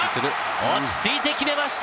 落ち着いて決めました！